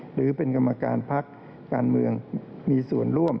หรือเป็นกรรมการพักการเมืองมีส่วนร่วม